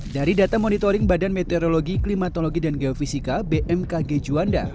dari data monitoring badan meteorologi klimatologi dan geofisika bmkg juanda